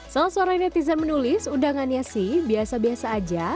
salah seorang netizen menulis undangannya sih biasa biasa aja